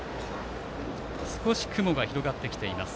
少し雲が広がってきています。